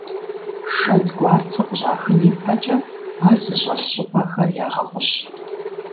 Шэдгуарцэ къыщӀахын ипэкӀэ ар зыщӀэлъ щӀыпӀэхэр ягъэгъущ.